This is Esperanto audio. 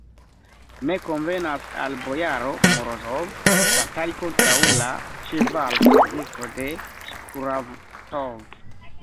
Ne konvenas al bojaro Morozov batali kontraŭ la ĉevalservisto de Skuratov!